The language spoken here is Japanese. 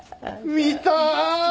見たい！